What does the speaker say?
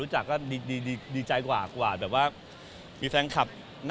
จะมีทางการแจ้งก่อน